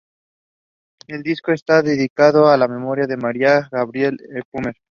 El disco está dedicado a la memoria de María Gabriela Epumer.